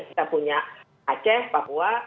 kita punya aceh papua